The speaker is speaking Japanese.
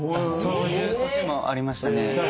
そういう年もありましたね。